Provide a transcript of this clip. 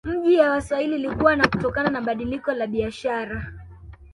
Miji ya Waswahili ilikua kutokana na mabadiliko ya biashara